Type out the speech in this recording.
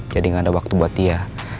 jadi gak ada waktu buat dia